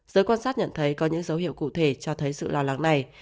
giới quan sát nhận thấy có những dấu hiệu cụ thể cho thấy sự lo lắng này